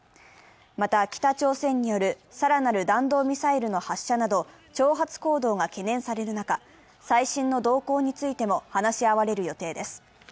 また、北朝鮮による更なる弾道ミサイルの発射など挑発行動が懸念される中、最新の動向についても話し合われる予定です。